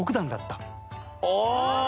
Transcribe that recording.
ああ！